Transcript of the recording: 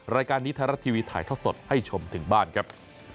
รายการนิทรรัตน์ทีวีถ่ายท่อสดให้ชมถึงบ้านครับ